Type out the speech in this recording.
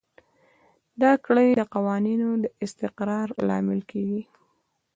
دا کړنې د قوانینو د استقرار لامل کیږي.